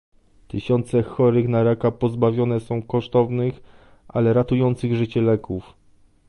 Tysiące chorych na raka pozbawione są kosztownych, ale ratujących życie leków